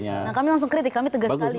nah kami langsung kritik kami tegas sekali